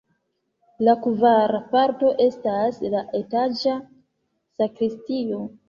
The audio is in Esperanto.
La kvara parto estas la etaĝa sakristio.